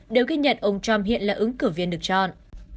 đều ghi nhận ông trump hiện là ứng cử viên được chọn